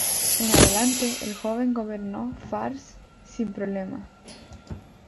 En adelante el joven gobernó Fars sin problemas.